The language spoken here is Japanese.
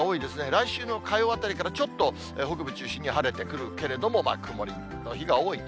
来週の火曜あたりから、ちょっと北部中心に晴れてくるけれども、曇りの日が多い。